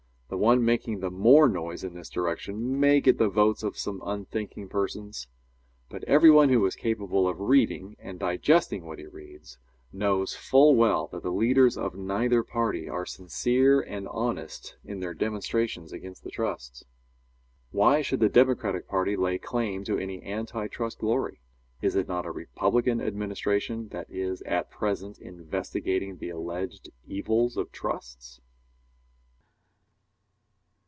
The one making the more noise in this direction may get the votes of some unthinking persons, but every one who is capable of reading and digesting what he reads, knows full well that the leaders of neither party are sincere and honest in their demonstrations against the trusts. Why should the Democratic party lay claim to any anti trust glory? Is it not a Republican administration that is at present investigating the alleged evils of trusts?